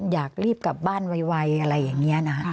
อยากรีบกลับบ้านไวอะไรอย่างนี้นะฮะ